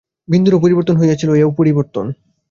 বিন্দুরও পরিবর্তন হইয়াছিল, এও পরিবর্তন।